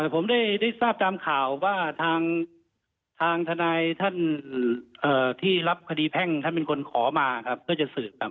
ผมได้ทราบตามข่าวว่าทางทนายท่านที่รับคดีแพ่งท่านเป็นคนขอมาครับเพื่อจะสืบครับ